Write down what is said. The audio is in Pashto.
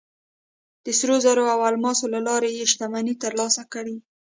د سرو زرو او الماسو له لارې یې شتمنۍ ترلاسه کړې.